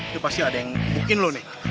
ya pasti ada yang ngebukin lo nih